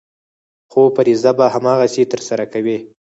خو فریضه به هماغسې ترسره کوې.